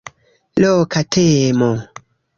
Loka temo.